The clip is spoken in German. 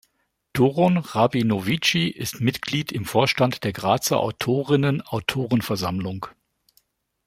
Doron Rabinovici ist Mitglied im Vorstand der Grazer Autorinnen Autorenversammlung.